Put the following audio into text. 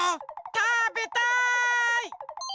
たべたい！